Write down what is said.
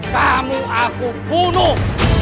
kamu aku bunuh